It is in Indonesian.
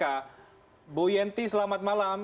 ibu yenti selamat malam